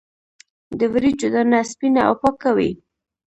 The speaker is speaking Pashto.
د وریجو دانه سپینه او پاکه وي.